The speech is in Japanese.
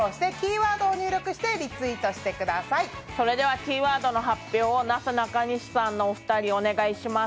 キーワードの発表をなすなかにしさんのお二人お願いします。